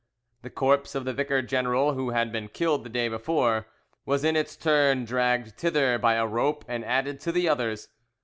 The corpse of the vicar general, who had been killed the day before, was in its turn dragged thither by a rope and added to the others.